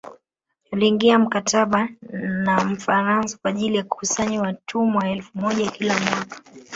Aliingia mkataba na mfaransa kwa ajili ya kukusanya watumwa elfu moja kila mwaka